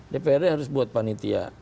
dprd harus buat panitia